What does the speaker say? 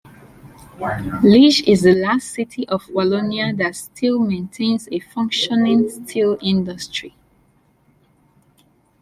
Liege is the last city of Wallonia that still maintains a functioning steel industry.